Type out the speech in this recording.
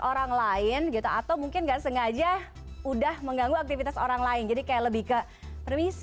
orang lain gitu atau mungkin nggak sengaja udah mengganggu aktivitas orang lain jadi kayak lebih ke risk